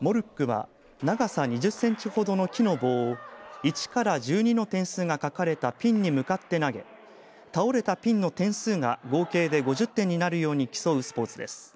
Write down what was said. モルックは長さ２０センチほどの木の棒を１から１２の点数が書かれたピンに向かって投げ倒れたピンの点数が合計で５０点になるように競うスポーツです。